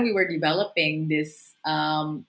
tapi ketika kami mengembangkan